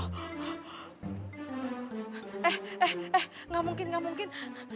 eh eh eh gak mungkin gak mungkin